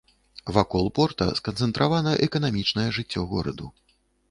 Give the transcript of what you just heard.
Вакол порта сканцэнтравана эканамічнае жыццё гораду.